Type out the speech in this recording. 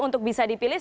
untuk bisa dipilih